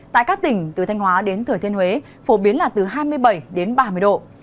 tại các tỉnh từ thanh hóa đến thừa thiên huế phổ biến là từ hai mươi bảy đến ba mươi độ